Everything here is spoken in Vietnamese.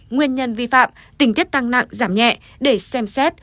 nguyên nhân vi phạm tình tiết tăng nặng giảm nhẹ để xem xét